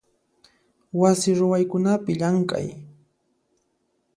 Wasi ruwaykunapi llamk'ay.